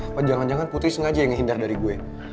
apa jangan jangan putri sengaja yang hindar dari gue